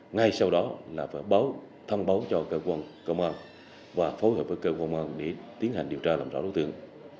ngay sau đó là phải báo thông báo cho cơ quan công an và phối hợp với cơ quan công an để tiến hành điều tra làm rõ đối tượng